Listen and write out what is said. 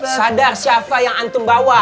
sadar siapa yang antum bawa